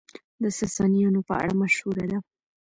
د ساسانيانو په اړه مشهوره ده،